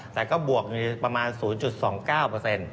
แต่ก็บวกประมาณ๐๒๙เปอร์เซ็นต์